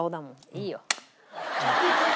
いいよ。